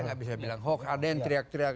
nggak bisa bilang hoax ada yang teriak teriak